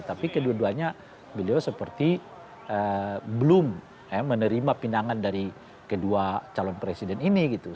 tapi kedua duanya beliau seperti belum menerima pinangan dari kedua calon presiden ini gitu